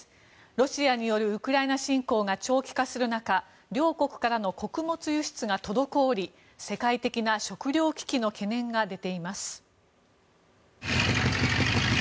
ロシアによるウクライナ侵攻が長期化する中両国からの穀物輸出が滞り世界的な食糧危機の懸念が出ています。